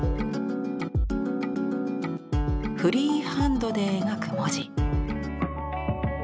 フリーハンドで描く文字。